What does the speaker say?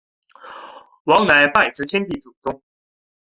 王乃拜辞天地祖宗。